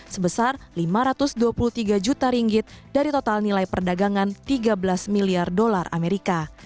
sebesar lima ratus dua puluh tiga juta ringgit dari total nilai perdagangan tiga belas miliar dolar amerika